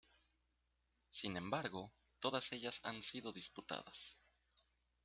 Sin embargo, todas ellas han sido disputadas.